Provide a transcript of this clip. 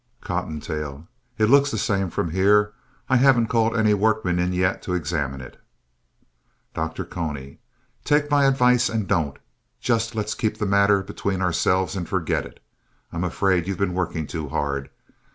COTTONTAIL It looks the same from here. I haven't called any workmen in yet to examine it. DR. CONY Take my advice and don't. Just let's keep the matter between ourselves and forget it. I'm afraid you've been working too hard.